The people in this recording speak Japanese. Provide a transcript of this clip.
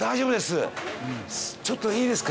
ちょっといいですか？